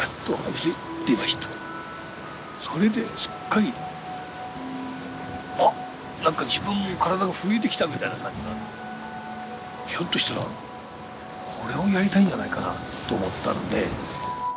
それですっかりあっなんか自分も体が震えてきたみたいな感じになってひょっとしたらこれをやりたいんじゃないかなと思ったので。